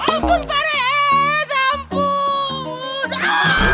ampun pak raiet